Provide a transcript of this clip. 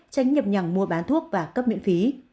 tránh nhập nhằng mua bán thuốc và cấp miễn phí